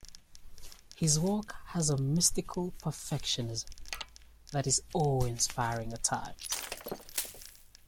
His work has a mystical "perfectionism" that is awe-inspiring at times.